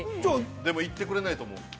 ◆でも行ってくれないと思う。